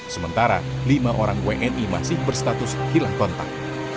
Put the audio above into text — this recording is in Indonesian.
sementara lima orang wni masih berstatus hilang kontak